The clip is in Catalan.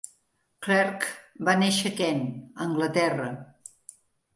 Clarke va néixer a Kent (Anglaterra).